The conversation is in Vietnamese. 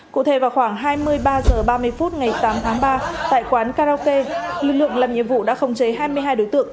cụ thể vào khoảng hai mươi ba h ba mươi phút ngày tám tháng ba tại quán karaoke lực lượng làm nhiệm vụ đã khống chế hai mươi hai đối tượng